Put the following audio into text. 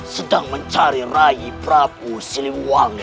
sedang mencari raih prapu silimuwangi